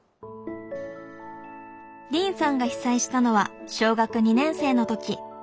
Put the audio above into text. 凜さんが被災したのは小学２年生の時。